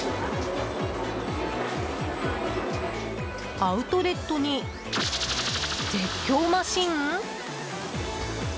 アウトレットに絶叫マシン？